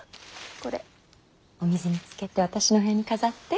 これお水につけて私の部屋に飾って。